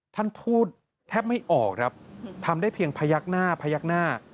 ท่านพูดแทบไม่ออกครับทำได้เพียงพยักหน้าพยักหน้า